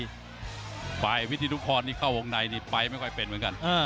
สอบปายพุธธุพรข้างในปลายไม่ค่อยเป็นเหมือนกัน